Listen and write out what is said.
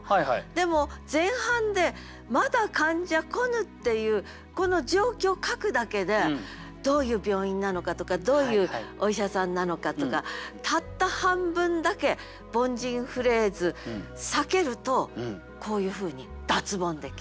でも前半で「まだ患者来ぬ」っていうこの状況を書くだけでどういう病院なのかとかどういうお医者さんなのかとかたった半分だけ凡人フレーズ避けるとこういうふうに脱ボンできる。